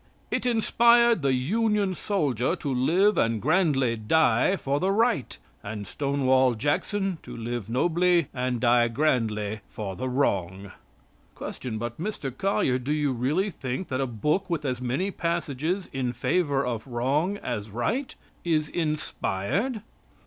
It inspired the Union soldier to live and grandly die for the right, and Stonewall Jackson to live nobly and die grandly for the wrong." Q. But, Mr. Collyer, do you really think that a book with as many passages in favor of wrong as right, is inspired?